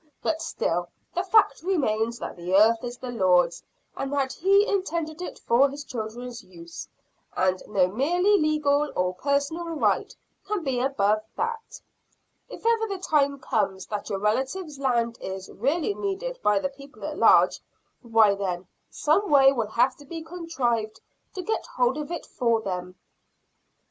But still the fact remains that the earth is the Lord's and that He intended it for His children's use; and no merely legal or personal right can be above that. If ever the time comes that your relative's land is really needed by the people at large, why then some way will have to be contrived to get hold of it for them."